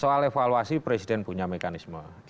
soal evaluasi presiden punya mekanisme